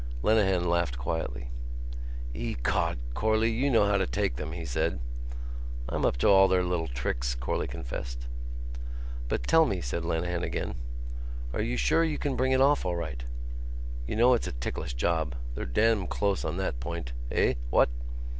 Lenehan laughed quietly. "Ecod! Corley, you know how to take them," he said. "I'm up to all their little tricks," Corley confessed. "But tell me," said Lenehan again, "are you sure you can bring it off all right? You know it's a ticklish job. They're damn close on that point. Eh?... What?"